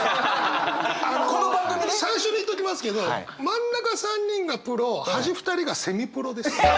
この番組ね最初に言っときますけど真ん中３人がプロ端２人がセミプロです。